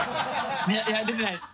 いや出てないです。